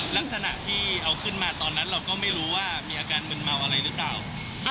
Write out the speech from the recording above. ลักษณะที่เอาขึ้นมาตอนนั้นเราก็ไม่รู้ว่ามีอาการมึนเมาอะไรหรือเปล่า